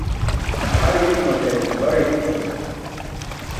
Har iirumaṭe baẏ hićuṭi.